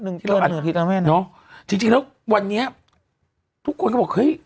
หนึ่งอาทิตย์แล้วแม่น้องเนอะจริงจริงแล้ววันนี้ทุกคนก็บอกเฮ้ย